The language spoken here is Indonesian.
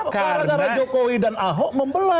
karena jokowi dan ahok membelah